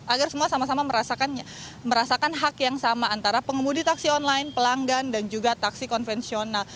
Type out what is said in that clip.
agar semua sama sama merasakan hak yang sama antara pengemudi taksi online pelanggan dan juga taksi konvensional